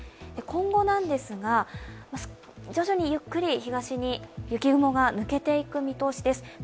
今後なんですが、徐々にゆっくり東に雪雲が抜けていく見通しです。